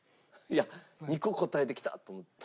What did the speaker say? いや２個答えてきた！と思って。